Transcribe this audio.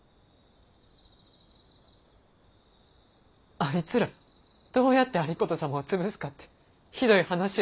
あいつらどうやって有功様を潰すかってひどい話をしてて。